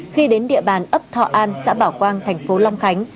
khi đến địa bàn ấp thọ an xã bảo quang thành phố long khánh